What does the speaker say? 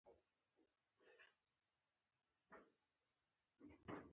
صفوي شاه اسماعیل په سپوږمیز میلادي کال کې ماتې ورکړه.